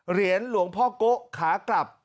เหรียญหลวงพ่อโกะขากลับ